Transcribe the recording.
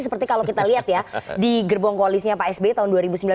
seperti kalau kita lihat ya di gerbong koalisnya pak sby tahun dua ribu sembilan belas